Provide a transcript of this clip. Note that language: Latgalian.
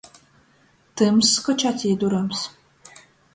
Tymss, koč acī durams.